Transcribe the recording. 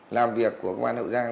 làm việc của công an hậu giang